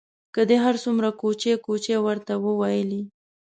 که دې هر څومره کوچې کوچې ورته وویلې.